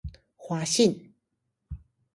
華信